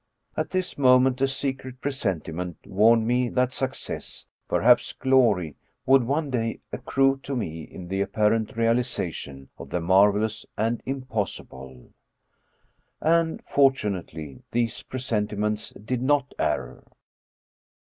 At this moment a secret presentiment warned me that success, perhaps glory, would one day accrue to me in the apparent realization of the marvelous and impossible, and fortunately these presentiments did not err.